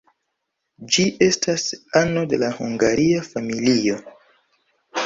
Ĝi estas ano de la hungaria familio.